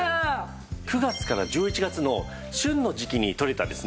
９月から１１月の旬の時期にとれたですね